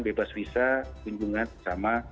bebas visa kunjungan sama